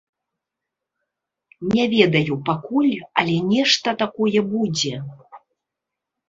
Не ведаю пакуль, але нешта такое будзе.